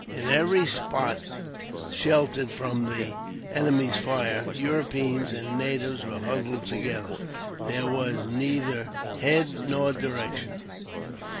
In every spot sheltered from the enemy's fire, Europeans and natives were huddled together. There was neither head nor direction.